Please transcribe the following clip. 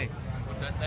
tiketnya tadi jam berapa